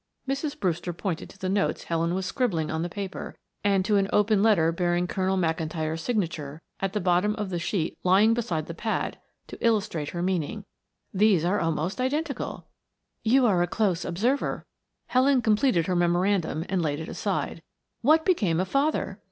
Mrs. Brewster pointed to the notes Helen was scribbling on the paper and to an open letter bearing Colonel McIntyre's signature at the bottom of the sheet lying beside the pad to illustrate her meaning. "These are almost identical." "You are a close observer." Helen completed her memorandum and laid it aside. "What became of father?"